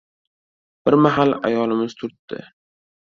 Bir mahal, ayolimiz turtdi.